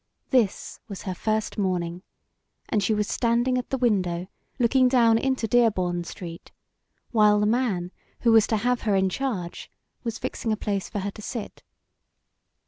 This was her first morning and she was standing at the window looking down into Dearborn Street while the man who was to have her in charge was fixing a place for her to sit.